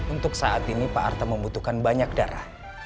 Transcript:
untuk saat ini pak arte membutuhkan banyak darah